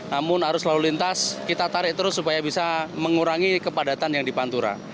namun harus lalu lintas kita tarik terus supaya bisa mengurangi kepadatan yang dipantura